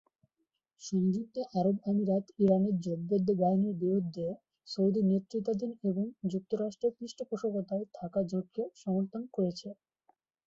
সংযুক্ত আরব আমিরাত ইরানের জোটবদ্ধ বাহিনীর বিরুদ্ধে সৌদি নেতৃত্বাধীন এবং যুক্তরাষ্ট্রের পৃষ্ঠপোষকতায় থাকা জোটকে সমর্থন করছে।